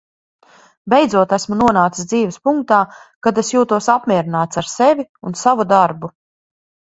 Beidzot esmu nonācis dzīves punktā, kad es jūtos apmierināts ar sevi un savu darbu.